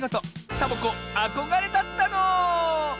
サボ子あこがれだったの！